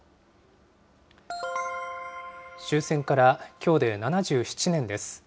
終戦からきょうで７７年です。